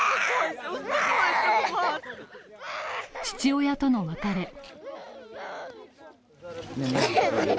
父親との別れ。